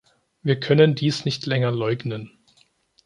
Wir können dies nicht länger leugnen.